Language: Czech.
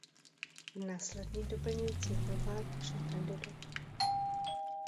V následných doplňovacích volbách už nekandidoval.